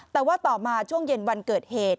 แต่ว่าต่อมาช่วงเย็นวันเกิดเหตุ